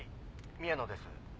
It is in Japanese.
宮野です。